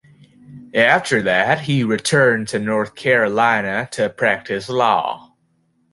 After that, he returned to North Carolina to practice law.